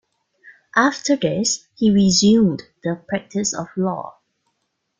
After this, he resumed the practice of law.